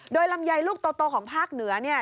โดยลำไยลูกโตของภาคเหนือเนี่ย